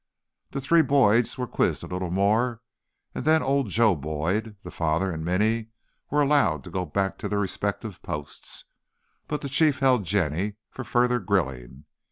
The three Boyds were quizzed a little more and then old Joe Boyd, the father, and Minny were allowed to go back to their respective posts, but the Chief held Jenny for further grilling.